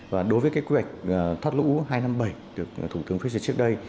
và đối với cái quy hoạch thoát lũ hai trăm năm mươi bảy được thủ tướng phê duyệt trước đây